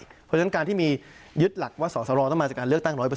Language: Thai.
เพราะฉะนั้นการที่มียึดหลักว่าสอสรต้องมาจากการเลือกตั้ง๑๐๐